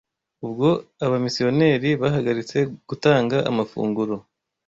Ubwo abamisiyoneri bahagaritse gutanga amafunguro